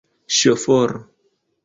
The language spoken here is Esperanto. Ŝoforo!